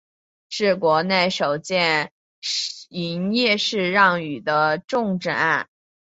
是国内首件营业式让与的重整案。